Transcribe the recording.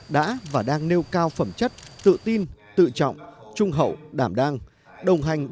đã và đang nêu cao phẩm chất tự tin tự trọng trung hậu đảm đang